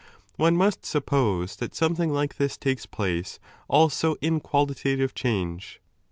One must 459^ suppose that something like this takes place also in qualitative^ change.